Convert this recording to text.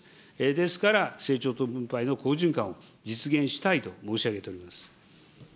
ですから、成長と分配の好循環を実現したいと申し上げております。